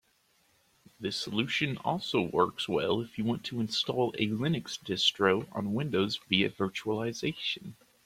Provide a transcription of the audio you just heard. This solution also works well if you want to install a Linux distro on Windows via virtualization.